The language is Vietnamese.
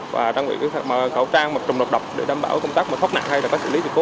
và trang bị khẩu trang trùng độc độc để đảm bảo công tác thoát nạn hay xử lý thịt cố